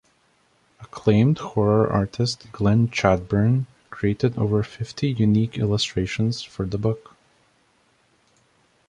Acclaimed horror artist Glenn Chadbourne created over fifty unique illustrations for the book.